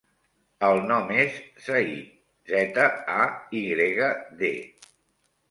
El nom és Zayd: zeta, a, i grega, de.